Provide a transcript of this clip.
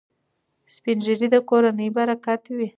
سپین ږیري د کورنۍ برکت وي.